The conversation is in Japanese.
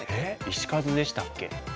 石数でしたっけ？